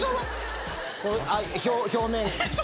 表面？